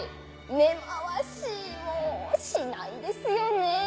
根回しもしないですよねぇ？